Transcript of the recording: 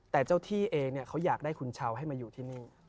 แต่เจ้าที่เองเขาอยากได้คุณเช้าให้มาอยู่ที่นี่